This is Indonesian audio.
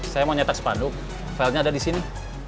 saya mau nyetak sepanduk filenya ada di sini